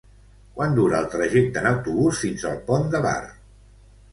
Quant dura el trajecte en autobús fins al Pont de Bar?